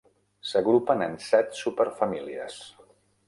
S'agrupen en set superfamílies.